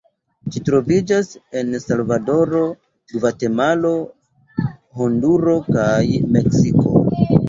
Ĝi troviĝas en Salvadoro, Gvatemalo, Honduro kaj Meksiko.